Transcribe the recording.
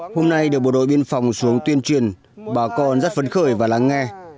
hôm nay được bộ đội biên phòng xuống tuyên truyền bà con rất phấn khởi và lắng nghe